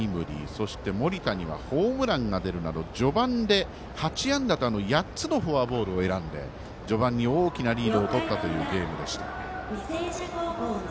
そして、森田にはホームランが出るなど序盤で８安打と８つのフォアボールを選んで序盤に大きなリードをとったというゲームでした。